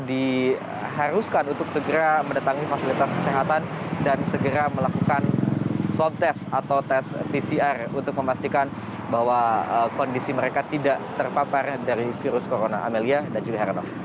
jadi haruskan untuk segera mendatangi fasilitas kesehatan dan segera melakukan swab test atau test pcr untuk memastikan bahwa kondisi mereka tidak terpapar dari virus corona amelia dan juga heranov